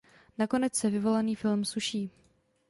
Nakonec se vyvolaný film suší.